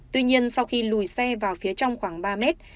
tuy nhiên sau khi lùi xe vào phía trong khoảng ba mét